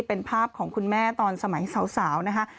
เป็นภาพของคุณแม่ตอนสมัยสาวนะคะ